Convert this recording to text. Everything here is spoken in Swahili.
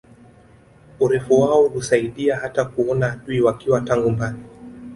Urefu wao husaidia hata kuona adui wakiwa tangu mbali